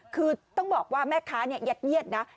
คือต้องบอกว่าแม่ค้ายัดเยียดนะ